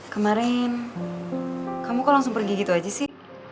kemarin kamu kok langsung pergi gitu aja sih